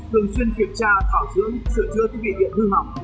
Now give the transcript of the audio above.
thường xuyên kiểm tra bảo dưỡng sửa chữa thiết bị điện hư hỏng